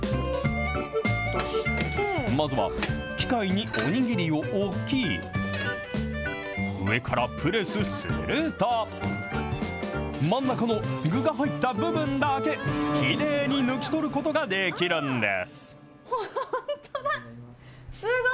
まずは機械にお握りを置き、上からプレスすると、真ん中の具が入った部分だけ、きれいに抜き取ることができるんです。